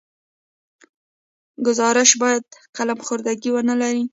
ګزارش باید قلم خوردګي ونه لري.